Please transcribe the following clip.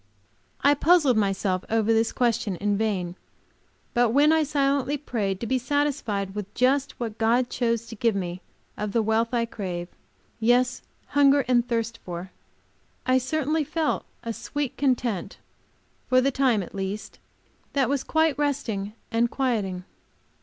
I puzzled myself over this question in vain, but when I silently prayed to be satisfied with just what God chose to give me of the wealth I crave, yes, hunger and thirst for, I certainly felt a sweet content, for the time, at least, that was quite resting and quieting.